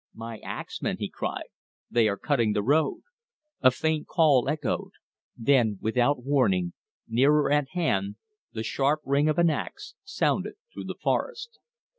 "My axmen," he cried. "They are cutting the road." A faint call echoed. Then without warning, nearer at hand the sharp ring of an ax sounded through the forest.